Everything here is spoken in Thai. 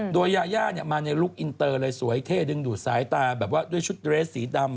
โดยยาย่ามาในลุคอินเตอร์เลยสวยเท่ดึงดูดสายตาแบบว่าด้วยชุดเรสสีดำ